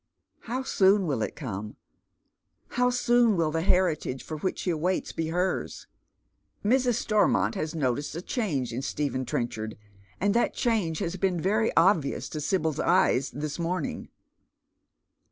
How soon will it come ? How soon will the heritage for which she awaits be hers ? Mrs. Stormont has noticed a change in Stephen Trenchard, and that change has been very obvious to Sibyl's eyes this morning.